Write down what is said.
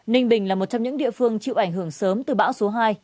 ninh bình là một trong những địa phương chịu ảnh hưởng sớm từ bão số hai